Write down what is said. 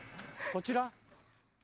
こちら？